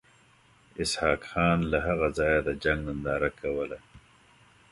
اسحق خان له هغه ځایه د جنګ ننداره کوله.